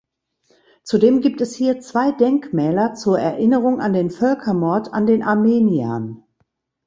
Zudem gibt es hier zwei Denkmäler zur Erinnerung an den Völkermord an den Armeniern.